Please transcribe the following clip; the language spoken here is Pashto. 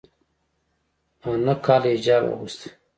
ا نهه کاله حجاب اغوستی